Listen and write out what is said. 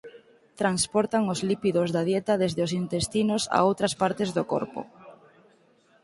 Transportan os lípidos da dieta desde os intestinos a outras partes do corpo.